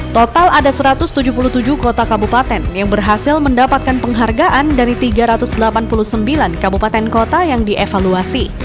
total ada satu ratus tujuh puluh tujuh kota kabupaten yang berhasil mendapatkan penghargaan dari tiga ratus delapan puluh sembilan kabupaten kota yang dievaluasi